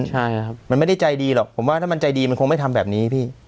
ใช่ครับมันไม่ได้ใจดีหรอกผมว่าถ้ามันใจดีมันคงไม่ทำแบบนี้พี่